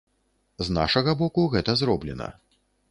З нашага боку гэта зроблена.